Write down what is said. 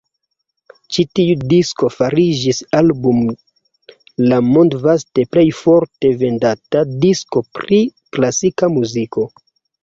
Ĉi tiu disko fariĝis Album la mondvaste plejofte vendata disko pri klasika muziko.